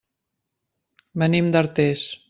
Venim d'Artés.